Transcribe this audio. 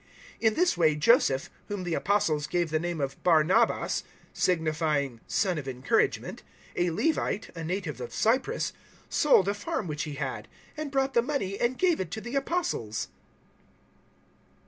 004:036 In this way Joseph, whom the Apostles gave the name of Bar nabas signifying `Son of Encouragement' a Levite, a native of Cyprus, 004:037 sold a farm which he had, and brought the money and gave it to the Apostles.